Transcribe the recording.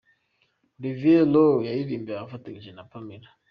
Olivier Roy yaririmbye afatanyije na Pamela.